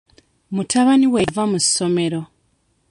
Mutabani we yava mu ssomero.